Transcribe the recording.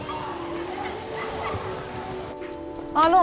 あの！